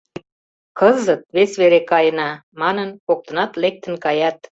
Кызыт вес вере каена, — манын, коктынат лектын каят.